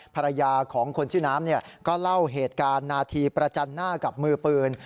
ภรรยาของคนชื่อน้ำต่อเล่าเหตุการณ์ณพพกับมือปืน